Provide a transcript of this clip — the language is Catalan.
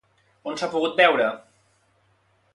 On s'ha pogut veure?